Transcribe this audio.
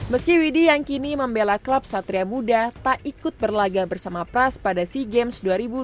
meski widi yang kini membela klub satria muda tak ikut berlagak bersama pras pada sea games dua ribu dua puluh satu